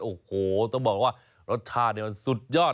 โอ้โหต้องบอกว่ารสชาติมันสุดยอด